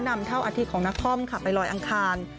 นำเท่าอาทิตย์ของนครค่ะไปลอยอังคาร